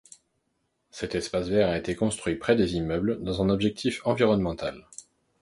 Cet espace vert a été construit près des immeubles dans un objectif environnemental.